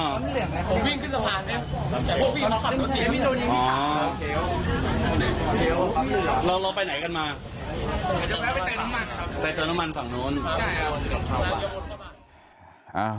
เหลือแพลวไปไตนมันครับ